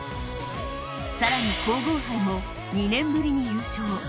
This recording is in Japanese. さらに皇后盃も２年ぶりに優勝。